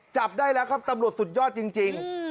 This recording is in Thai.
จับได้แล้วครับตำรวจสุดยอดจริง